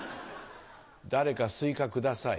誰かスイカください